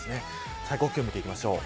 最高気温、見ていきましょう。